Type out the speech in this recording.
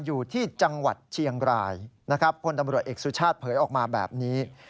อยู่ที่จังหวัดเชียงรายนะครับพลตำรวจเอกสุชาติเผยออกมาแบบนี้